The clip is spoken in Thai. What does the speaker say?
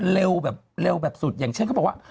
เร็วแบบเร็วแบบสุดอย่างเช่นเขาบอกว่า